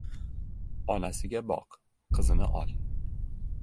• Onasiga boq, qizini ol.